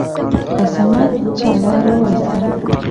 په صمد چاړه راوېسته.